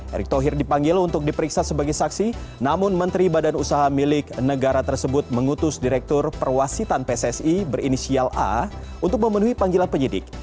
erick thohir dipanggil untuk diperiksa sebagai saksi namun menteri badan usaha milik negara tersebut mengutus direktur perwasitan pssi berinisial a untuk memenuhi panggilan penyidik